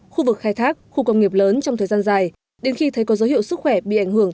khu vực khai thác khu công nghiệp lớn trong thời gian dài đến khi thấy có dấu hiệu sức khỏe bị ảnh hưởng